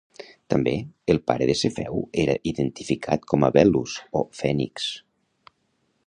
També, el pare de Cefeu era identificat com Belus o Fènix.